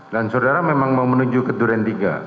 dan saudara memang mau menuju ke duren tiga